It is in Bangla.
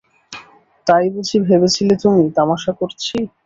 তাই বুঝি ভেবেছিলে তুমি, তামাশা করছি?